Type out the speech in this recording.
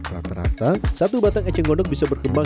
rata rata satu batang eceng gondok bisa berkembang